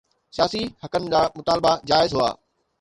سياسي حقن جا مطالبا جائز هئا